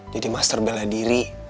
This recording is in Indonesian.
jadi master bela diri